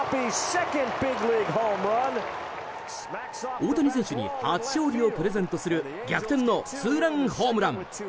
大谷選手に初勝利をプレゼントする逆転のツーランホームラン！